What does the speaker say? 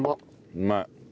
うまい。